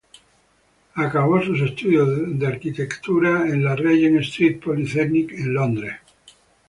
Acabó sus estudios de arquitectura en la "Regent Street Polytechnic" en Londres.